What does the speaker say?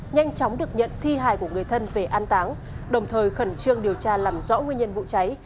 nhanh chóng được nhận thi hài của người thân về an táng đồng thời khẩn trương điều tra làm rõ nguyên nhân vụ cháy